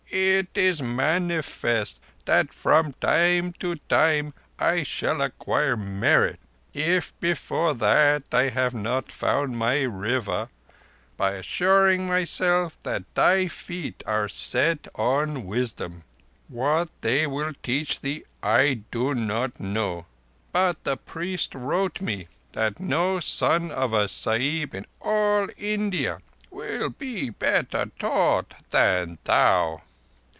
"It is manifest that from time to time I shall acquire merit if before that I have not found my River—by assuring myself that thy feet are set on wisdom. What they will teach thee I do not know, but the priest wrote me that no son of a Sahib in all India will be better taught than thou.